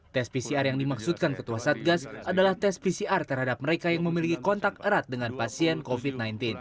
tes pcr yang dimaksudkan ketua satgas adalah tes pcr terhadap mereka yang memiliki kontak erat dengan pasien covid sembilan belas